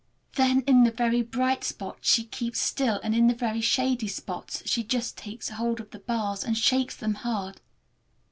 Then in the very bright spots she keeps still, and in the very shady spots she just takes hold of the bars and shakes them hard.